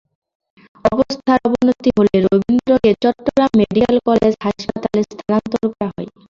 অবস্থার অবনতি হলে রবীন্দ্রকে চট্টগ্রাম মেডিকেল কলেজ হাসপাতালে স্থানান্তর করা হয়।